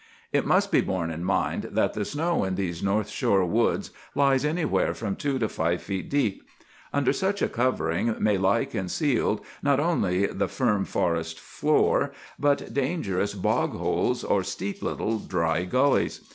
"It must be borne in mind that the snow in these north shore woods lies anywhere from two to five feet deep. Under such a covering may lie concealed, not only the firm forest floor, but dangerous bog holes, or steep little dry gullies.